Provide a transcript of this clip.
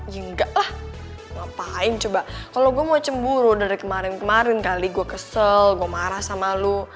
enggak lah ngapain coba kalau gue mau cemburu dari kemarin kemarin kali gue kesel gue marah sama lu